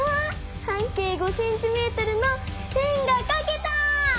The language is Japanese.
半径５ｃｍの円がかけた！